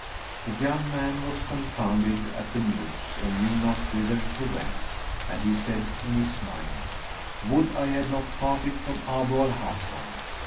The young man was confounded at the news and knew not whither to wend; and he said in his mind, "Would I had not parted from Abu al Hasan!"